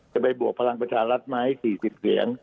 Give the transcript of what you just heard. จะไปบวกพลังประชารัฐรัฐหมายเอาไว้๔๐เกียง